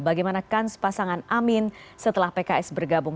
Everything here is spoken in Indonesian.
bagaimana kan sepasangan amin setelah pks bergabung